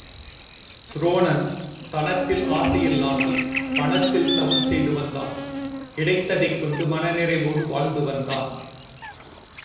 துரோணன் தனத்தில் ஆசை இல்லாமல் வனத்தில் தவம் செய்து வந்தான் கிடைத்ததைக் கொண்டு மன நிறைவோடு வாழ்ந்து வந்தான்.